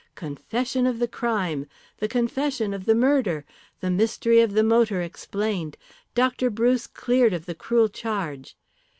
"Confession of the crime." "The confession of the murder." "The mystery of the motor explained." "Dr. Bruce cleared of the cruel charge."